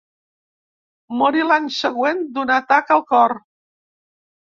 Morí l’any següent d’un atac al cor.